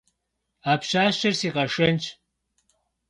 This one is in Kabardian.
А пщащэр си къэшэнщ.